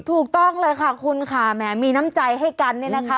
ถูกต้องเลยค่ะคุณค่ะแหมมีน้ำใจให้กันเนี่ยนะคะ